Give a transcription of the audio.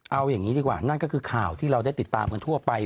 เอาอย่างนี้ดีกว่านั่นก็คือข่าวที่เราได้ติดตามกันทั่วไป